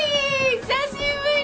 久しぶり。